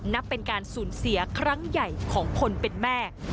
นับเป็นการสูญเสียครั้งใหญ่ของคนเป็นแม่